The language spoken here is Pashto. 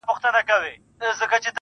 ماتيږي چي بنگړي، ستا په لمن کي جنانه~